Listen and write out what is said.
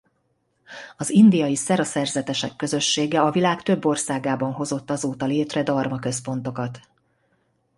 Az indiai Szera szerzetesek közössége a világ több országában hozott azóta létre dharma-központokat.